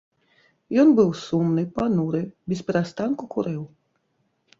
Ён быў сумны, пануры, бесперастанку курыў.